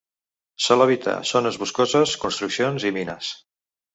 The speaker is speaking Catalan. Sol habitar zones boscoses, construccions i mines.